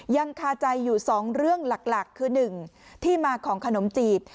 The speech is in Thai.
ยังคาใจอยู่๒เรื่องหลักคือ๑ที่มาของขนมจีบ